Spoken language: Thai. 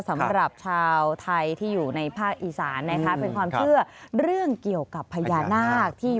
สำหรับชาวไทยที่อยู่ในภาคอีสานนะคะเป็นความเชื่อเรื่องเกี่ยวกับพญานาคที่